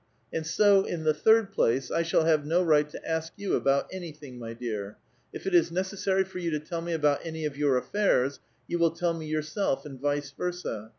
And so, in the third place, 1 shall have no right to ask you about anything, my dear. If it is necessary for you to tell me about any of your affairs, vou will tell me yourself, and vice versa.